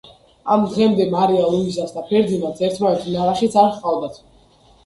ამ დღემდე მარია ლუიზას და ფერდინანდს ერთმანეთი ნანახიც არ ჰყავდათ.